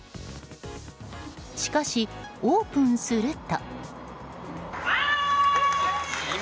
しかし、オープンすると。